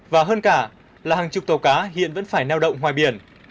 và hơn cả là hàng chục tàu cá hiện vẫn phải neo động ngoài biển